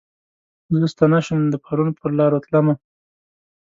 زه ستنه شوم د پرون پرلارو تلمه